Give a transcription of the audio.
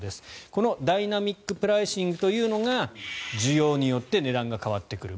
このダイナミック・プライシングというのが需要によって値段が変わってくる。